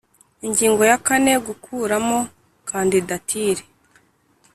Ingingo ya kane Gukuramo kandidatire